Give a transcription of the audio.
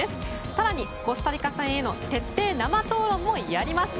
更に、コスタリカ戦への徹底生討論もやります。